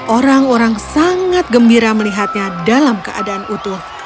orang orang sangat gembira melihatnya dalam keadaan utuh